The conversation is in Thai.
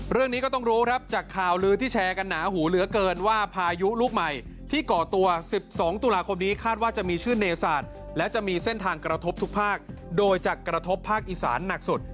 เรื่องนี้ก็ต้องรู้ครับจากข่าวลือที่แชร์กันหนาหูเหลือเกินว่าพายุลูกใหม่ที่ก่อตัว๑๒ตุลาคมนี้คาดว่าจะมีชื่อเนศาสตร์และจะมีเส้นทางกระทบทุกภาคโดยจะกระทบภาคอีสานหนักสุด